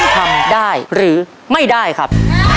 ทำได้หรือไม่ได้ครับ